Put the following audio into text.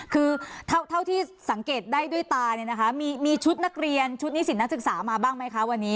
คือเท่าที่สังเกตได้ด้วยตาเนี่ยนะคะมีชุดนักเรียนชุดนิสิตนักศึกษามาบ้างไหมคะวันนี้